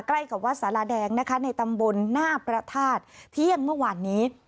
ใกล้กับวัดสาราแดงนะคะในตำบลหน้าพระธาตุเที่ยงเมื่อวานนี้